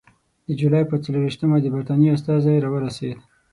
د جولای پر څلېرویشتمه د برټانیې استازی راورسېد.